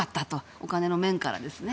お金の面からですね。